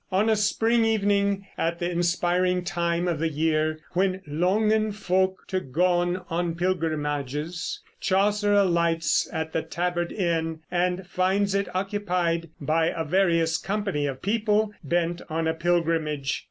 On a spring evening, at the inspiring time of the year when "longen folk to goon on pilgrimages," Chaucer alights at the Tabard Inn, and finds it occupied by a various company of people bent on a pilgrimage.